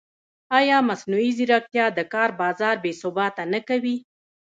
ایا مصنوعي ځیرکتیا د کار بازار بېثباته نه کوي؟